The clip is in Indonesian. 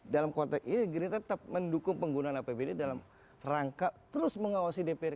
dalam konteks ini gerindra tetap mendukung penggunaan apbd dalam rangka terus mengawasi dprd